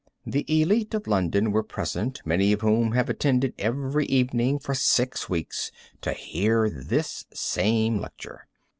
The elite of London was present, many of whom have attended every evening for six weeks to hear this same lecture.